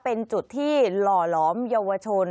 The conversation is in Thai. เป็นจุดที่หล่อหลอมเยาวชน